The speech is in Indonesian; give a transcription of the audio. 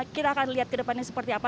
kita akan lihat kedepannya seperti apa